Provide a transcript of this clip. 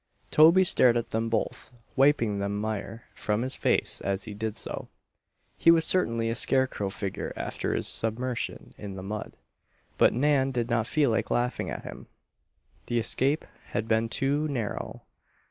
Toby stared at them both, wiping the mire from his face as he did so. He was certainly a scarecrow figure after his submersion in the mud; gut Nan did not feel like laughing at him. The escape had been too narrow.